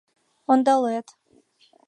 Ондалет!..